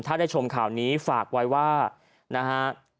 ถ้าได้ชมข่าวนี้ฝากไว้ว่านะฮะ